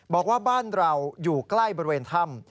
บอกว่าบ้านเราอยู่ใกล้บริเวณถ้ำ